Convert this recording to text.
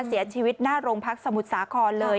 เสียชีวิตหน้าโรงพักสมุทรสาครเลย